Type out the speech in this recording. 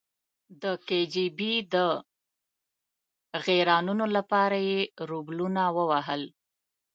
د کې جی بي د غیرانونو لپاره یې روبلونه ووهل.